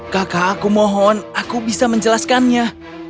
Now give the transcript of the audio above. kakak aku mohon aku bisa menjelaskannya